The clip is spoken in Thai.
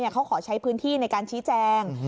เขาขอใช้พื้นที่ในการชี้แจง